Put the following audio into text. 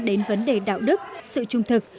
đến vấn đề đạo đức sự trung thực